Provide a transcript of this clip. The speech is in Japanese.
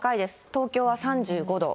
東京は３５度。